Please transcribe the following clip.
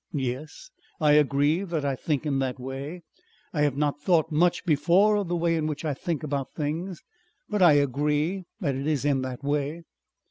Yes.... I agree that I think in that way.... I have not thought much before of the way in which I think about things but I agree that it is in that way.